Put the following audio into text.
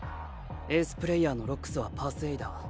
エースプレーヤーのＲＯＸはパースエイダー。